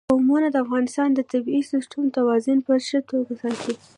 قومونه د افغانستان د طبعي سیسټم توازن په ښه توګه ساتي.